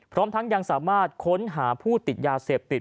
พร้อมทั้งยังสามารถค้นหาผู้ติดยาเสพติด